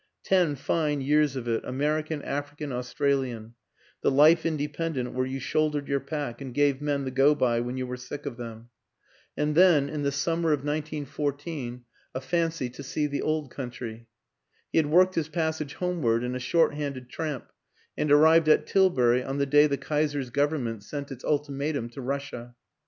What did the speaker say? Ten fine years of it, Amer ican, African, Australian; the life independent where you shouldered your pack and gave men the go by when you were sick of them. And then, in WILLIAM AN ENGLISHMAN 255 the summer of 1914, a fancy to see the Old Coun try. He had worked his passage homeward in a short handed tramp and arrived at Tilbury on the day the Kaiser's government sent its ultimatum to Russia.